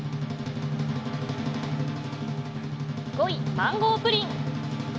５位、マンゴープリン。